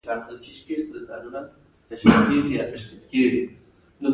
د ایران کاشي کاري ډیره مشهوره ده.